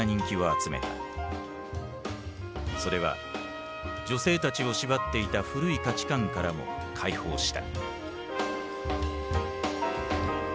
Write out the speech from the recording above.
それは女性たちを縛っていた古い価値観からも解放した。